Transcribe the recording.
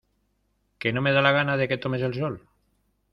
que no me da la gana de que tomes el sol